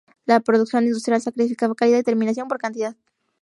La producción industrial sacrificaba calidad y terminación por cantidad.